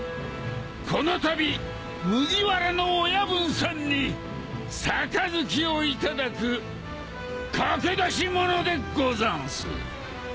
・このたび麦わらの親分さんに盃をいただく駆けだし者でござんす。